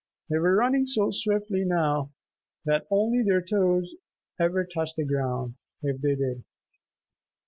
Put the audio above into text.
They were running so swiftly now that only their toes ever touched the ground, if they did.